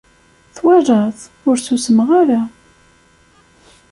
Twalaḍ! Ur ssusmeɣ ara.